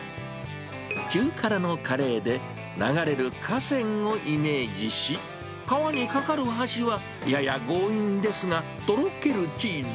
中辛のカレーで流れる河川をイメージし、川に架かる橋は、やや強引ですが、とろけるチーズ。